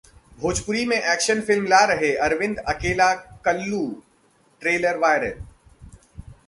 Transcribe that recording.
भोजपुरी में action film ला रहे अरविंद अकेला 'कल्लू', ट्रेलर वायरल